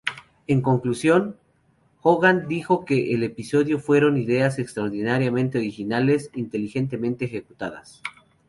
En conclusión, Hogan dijo que el episodio fueron "ideas extraordinariamente originales inteligentemente ejecutadas.